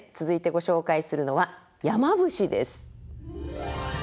続いてご紹介するのは山伏です。